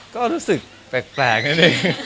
ก็รู้สึกแปลกนิดนึง